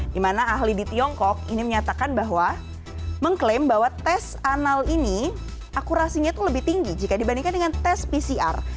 dimana ahli di tiongkok ini menyatakan bahwa mengklaim bahwa tes anal ini akurasinya itu lebih tinggi jika dibandingkan dengan tes pcr